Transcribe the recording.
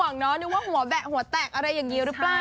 มันห่วงเนอะนึกว่าหัวแบะหัวแตกอะไรอย่างนี้หรือเปล่า